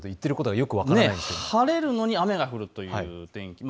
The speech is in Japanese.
晴れるのに雨が降るという天気。